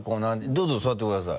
どうぞ座ってください。